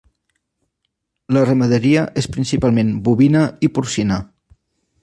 La ramaderia és principalment bovina i porcina.